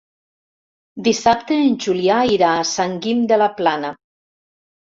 Dissabte en Julià irà a Sant Guim de la Plana.